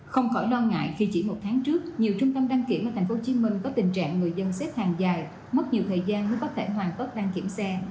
không khỏi lo ngại khi chỉ một tháng trước nhiều trung tâm đăng kiểm ở tp hcm có tình trạng người dân xếp hàng dài mất nhiều thời gian mới có thể hoàn tất đăng kiểm xe